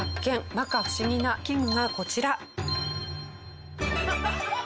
摩訶不思議な器具がこちら。